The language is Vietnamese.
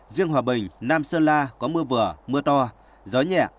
riêng hòa bình nam sơn la có mưa vừa mưa to gió nhẹ